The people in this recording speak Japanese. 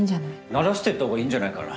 慣らしていったほうがいいんじゃないかな？